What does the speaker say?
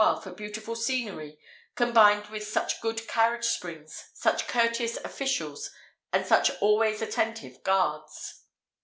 R. for beautiful scenery, combined with such good carriage springs, such courteous officials, and such always attentive guards?